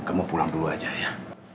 kamu pulang dulu aja ya